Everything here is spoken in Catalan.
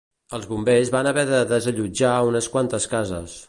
Els bombers van haver de desallotjar unes quantes cases.